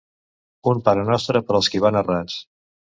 Un parenostre per als qui van errats.